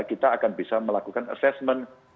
kita akan bisa melakukan assessment